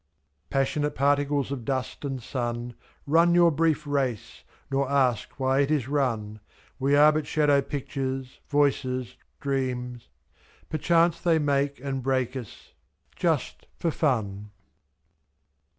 Passionate particles of dust and sun. Run your brief race, nor ask why it is run — /i7We are but shadow pictures, voices, dreams; Perchance they make and break us — just for fun.